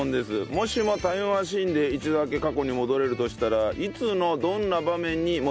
もしもタイムマシンで一度だけ過去に戻れるとしたらいつのどんな場面に戻ってみたいですか？